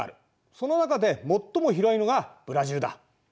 その中で最も広いのがブラジルだ。